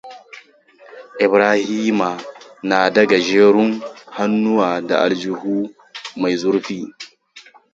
Ibrahima na da gajerun hannuwa da aljihu mai zurfi.